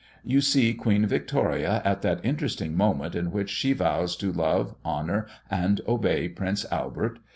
You see Queen Victoria at that interesting moment in which she vows to "love, honour, and obey" Prince Albert.